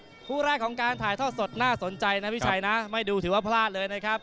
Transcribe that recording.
คู่แรกของการถ่ายทอดสดน่าสนใจนะพี่ชัยนะไม่ดูถือว่าพลาดเลยนะครับ